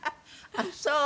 ああそう！